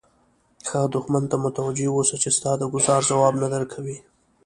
هغه دښمن ته متوجه اوسه چې ستا د ګوزار ځواب نه درکوي.